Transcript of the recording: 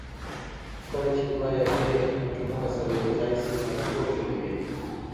کله چې دوه یا ډیر اتومونه سره یو ځای شي مالیکول جوړوي